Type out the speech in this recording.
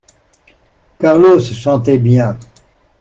Carlos chantait bien.